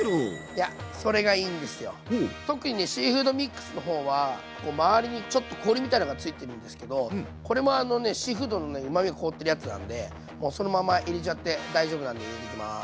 特にねシーフードミックスの方は周りにちょっと氷みたいなのがついてるんですけどこれもあのねシーフードのうまみが凍ってるやつなんでそのまま入れちゃって大丈夫なんで入れていきます。